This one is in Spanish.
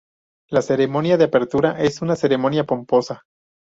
La Ceremonia de apertura es una ceremonia pomposa.